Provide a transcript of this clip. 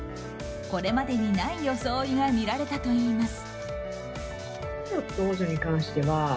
これまでにない装いが見られたといいます。